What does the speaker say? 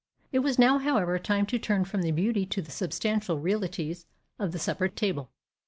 It was now, however, time to turn from the beauty to the substantial realities of the supper table.